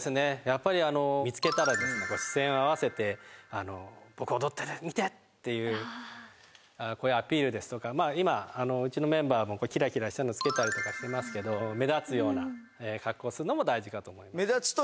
やっぱり見つけたら視線を合わせて「僕踊ってる見て」っていうアピールですとか今うちのメンバーもこういうキラキラしたのをつけたりとかしてますけど目立つような格好をするのも大事かと思います